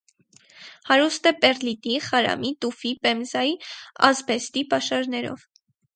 Հարուստ է պեռլիտի, խարամի, տուֆի, պեմզայի, ասբեստի պաշարներով։